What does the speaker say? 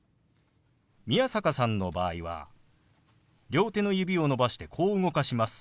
宮坂さんの場合は両手の指を伸ばしてこう動かします。